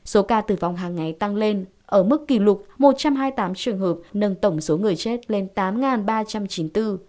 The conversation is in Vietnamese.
số ca tử vong hàng ngày tăng lên ở mức kỷ lục một trăm hai mươi tám trường hợp nâng tổng số người chết lên tám ba trăm chín mươi bốn